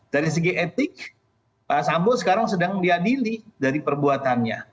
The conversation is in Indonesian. dari segi etik pak sambo sekarang sedang diadili dari perbuatannya